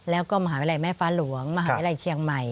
แล้วก็มหาวิทยาลัยแม่ฟ้าหลวงมหาวิทยาลัยเชียงใหม่